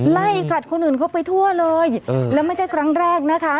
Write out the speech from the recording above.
ไล่กัดคนอื่นเข้าไปทั่วเลยแล้วไม่ใช่ครั้งแรกนะคะ